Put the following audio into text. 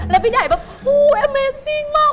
แล้วพี่ไดไฮแบบ